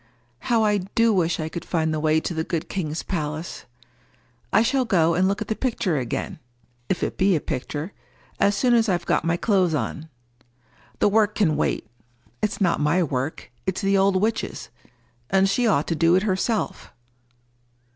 How I do wish I could find the way to the good king's palace! I shall go and look at the picture again—if it be a picture—as soon as I've got my clothes on. The work can wait. It's not my work. It's the old witch's; and she ought to do it herself."